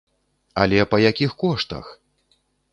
Але па якіх коштах!